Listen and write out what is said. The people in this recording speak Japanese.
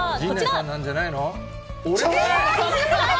陣内さんじゃないの？